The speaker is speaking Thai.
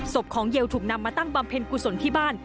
ศพของเยลถูกนำมาตั้งบำเพ็ญกุศลที่บ้าน